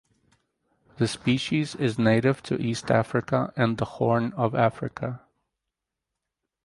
The species is native to East Africa and the Horn of Africa.